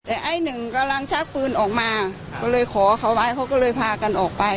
แต่ไอ้หนึ่งกำลังชักปืนออกมาก็เลยขอเขาไว้เขาก็เลยพากันออกไป